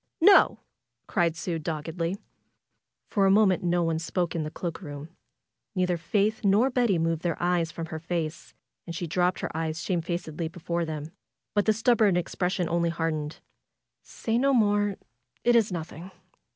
"No!" cried Sue doggedly. For a moment no one spoke in the cloak room. Neither Faith nor Betty moved their eyes from her face, and she dropped her eyes shamefacedly before them ; but the stubborn expression only hardened. "Say no more! It is nothing."